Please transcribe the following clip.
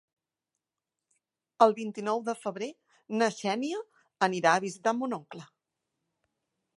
El vint-i-nou de febrer na Xènia anirà a visitar mon oncle.